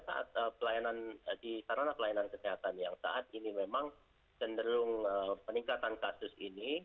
saat pelayanan di sarana pelayanan kesehatan yang saat ini memang cenderung peningkatan kasus ini